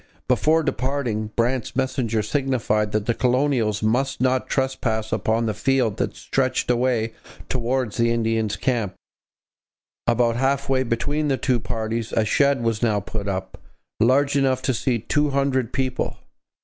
Before departing, Brant's messenger signified that the colonials must not trespass upon the field that stretched away towards the Indians' camp. About half way between the two parties a shed was now put up, large enough to seat two hundred people.